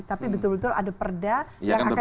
tapi betul betul ada perda yang akan